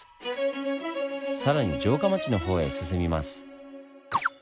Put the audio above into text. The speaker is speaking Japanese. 更に城下町の方へ進みます。